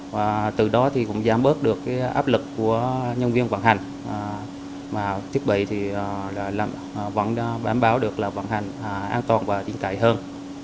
và từ đó thì cũng giảm bớt được áp lực của nhân viên vận hành mà thiết bị thì vẫn bám báo được là vận hành an toàn và tiện cải hơn